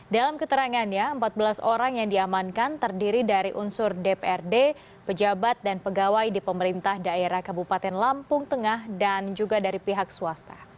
dalam keterangannya empat belas orang yang diamankan terdiri dari unsur dprd pejabat dan pegawai di pemerintah daerah kabupaten lampung tengah dan juga dari pihak swasta